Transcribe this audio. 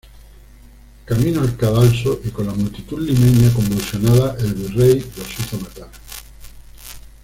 Camino al cadalso y con la multitud limeña convulsionada, el Virrey los hizo matar.